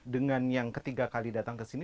dengan yang ketiga kali datang ke sini